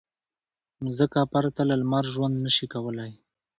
مځکه پرته له لمر ژوند نه شي کولی.